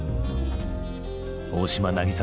大島渚